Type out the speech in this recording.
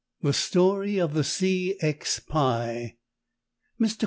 THE STORY OF THE C. X. PIE MR.